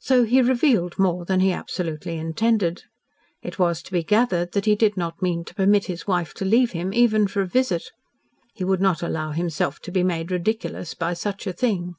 So he revealed more than he absolutely intended. It was to be gathered that he did not mean to permit his wife to leave him, even for a visit; he would not allow himself to be made ridiculous by such a thing.